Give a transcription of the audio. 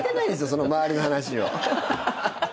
その周りの話は。